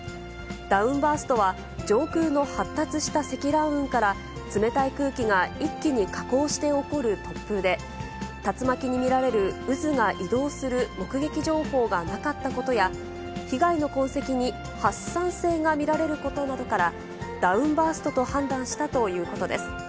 ダウンバーストは、上空の発達した積乱雲から冷たい空気が一気に下降して起こる突風で、竜巻に見られる渦が移動する目撃情報がなかったことや、被害の痕跡に発散性が見られることなどから、ダウンバーストと判断したということです。